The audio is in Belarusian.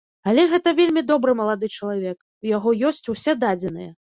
Але гэта вельмі добры малады чалавек, у яго ёсць ўсе дадзеныя.